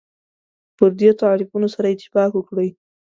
پر دې تعریفونو سره اتفاق وکړي.